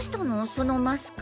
そのマスク。